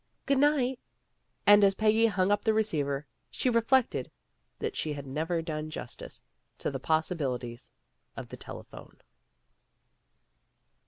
"Good night!" And as Peggy hung up the receiver, she reflected that she had never done justice to the possibilities of the telephone.